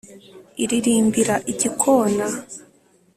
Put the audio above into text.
iririmbira igikona